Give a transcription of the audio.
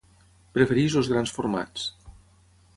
Prefereix els grans formats.